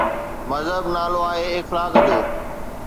مذهب نالو آهي اخلاق جو.